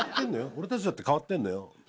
俺たちだって変わってんのよ。